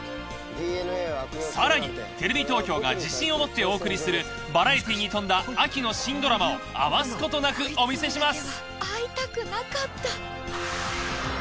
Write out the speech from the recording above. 更にテレビ東京が自信を持ってお送りするバラエティーに富んだ秋の新ドラマを余すことなくお見せします。